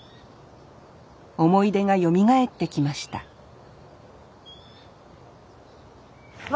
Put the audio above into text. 思い出がよみがえってきましたわ